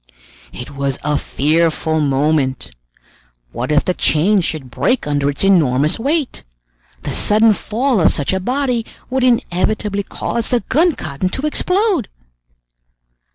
It was a fearful moment! What if the chains should break under its enormous weight? The sudden fall of such a body would inevitably cause the gun cotton to explode!